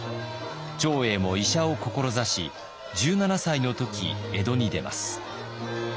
長英も医者を志し１７歳の時江戸に出ます。